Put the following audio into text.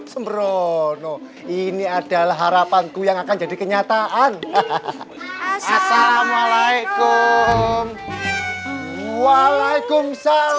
sembrono ini adalah harapanku yang akan jadi kenyataan assalamualaikum waalaikumsalam